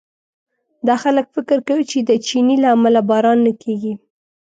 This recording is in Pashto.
دا خلک فکر کوي چې د چیني له امله باران نه کېږي.